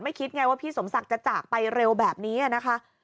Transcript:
คิดไงว่าพี่สมศักดิ์จะจากไปเร็วแบบนี้นะคะ